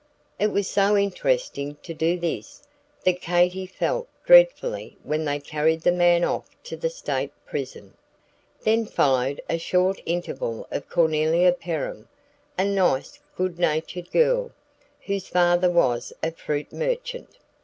It was so interesting to do this, that Katy felt dreadfully when they carried the man off to the State Prison. Then followed a short interval of Cornelia Perham, a nice, good natured girl, whose father was a fruit merchant.